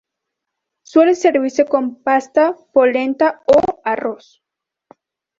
Suele servirse con pasta, polenta o arroz.